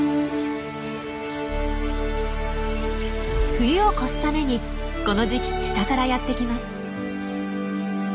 冬を越すためにこの時期北からやって来ます。